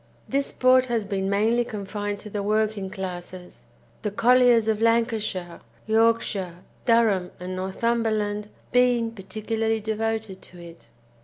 This sport has been mainly confined to the working classes, the colliers of Lancashire, Yorkshire, Durham, and Northumberland being particularly devoted to it.